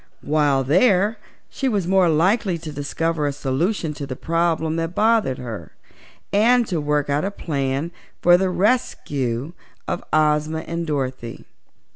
While there she was more likely to discover a solution to the problem that bothered her, and to work out a plan for the rescue of Ozma and Dorothy.